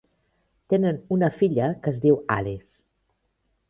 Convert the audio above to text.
Tenen una filla que es diu Alice.